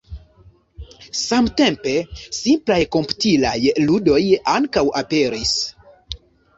Samtempe, simplaj komputilaj ludoj ankaŭ aperis.